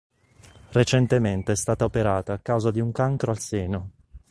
Recentemente è stata operata a causa di un cancro al seno.